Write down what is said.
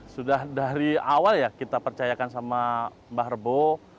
sudah dari awal ya kita percayakan sama mbah rebo